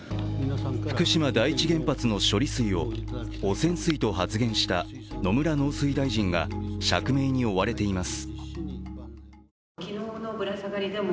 福島第一原発の処理水を、汚染水と発言した野村農水大臣が、釈明に追われています。